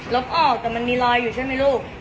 ลบออกแต่มันมีลอยอยู่ใช่มั้ยลูก